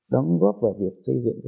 những cái điều kiện đó